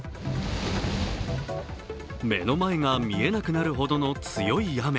目の前が見えなくなるほどの強い雨。